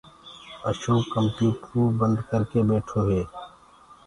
اشوڪ ڪمپيوٽرو بنٚد ڪر ڪي ٻيٺو هي